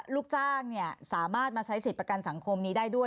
ลูกจ้างสามารถมาใช้สิทธิ์ประกันสังคมนี้ได้ด้วย